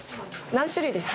何種類ですか？